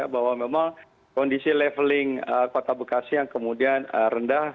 bahwa memang kondisi leveling kota bekasi yang kemudian rendah